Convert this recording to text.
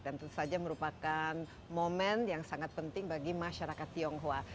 dan itu saja merupakan momen yang sangat penting bagi masyarakat tionghoa